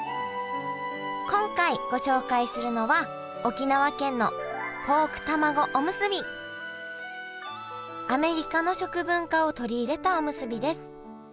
今回ご紹介するのはアメリカの食文化を取り入れたおむすびです。